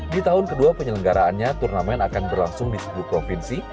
di tahun kedua penyelenggaraannya turnamen akan berlangsung di sepuluh provinsi